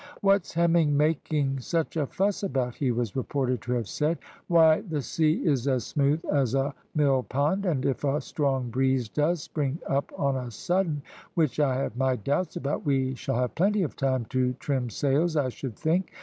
"What's Hemming making such a fuss about?" he was reported to have said. "Why, the sea is as smooth as a mill pond, and if a strong breeze does spring up on a sudden, which I have my doubts about, we shall have plenty of time to trim sails I should think.